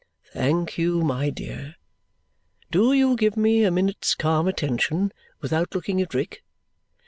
"Thank you, my dear. Do you give me a minute's calm attention, without looking at Rick.